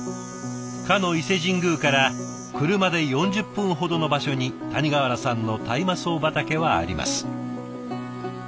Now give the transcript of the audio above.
かの伊勢神宮から車で４０分ほどの場所に谷川原さんの大麻草畑はあります。